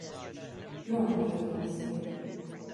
You are making a mistake.